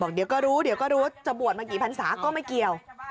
เดี๋ยวก็รู้จะบวชมากี่พันธาฬิกาก็ไม่เกี่ยว